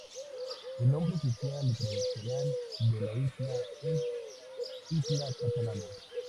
El nombre oficial y tradicional de la isla es "isla Catalana".